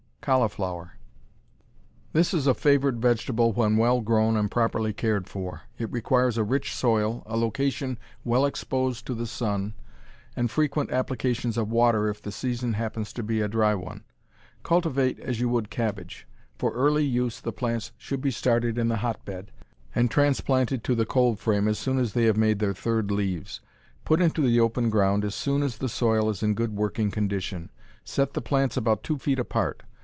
Cauliflower This is a favorite vegetable when well grown and properly cared for. It requires a rich soil, a location well exposed to the sun, and frequent applications of water if the season happens to be a dry one. Cultivate as you would cabbage. For early use the plants should be started in the hotbed, and transplanted to the cold frame as soon as they have made their third leaves. Put into the open ground as soon as the soil is in good working condition. Set the plants about two feet apart.